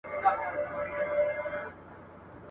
که داسي پيښه سوه، نو دا به زموږ لپاره خجالت وي.